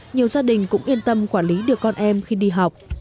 nhiều gia đình cũng yên tâm quản lý được con em khi đi học